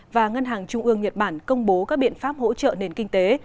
và ngân hàng trung ương nhật bản công bố các biện pháp hỗ trợ nền kinh tế